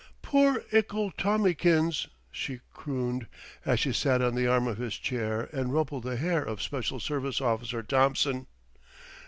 "Poor 'ickle Tommikins." she crooned, as she sat on the arm of his chair and rumpled the hair of Special Service Officer Thompson.